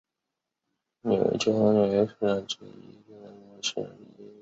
访问者模式是一种将算法与对象结构分离的软件设计模式。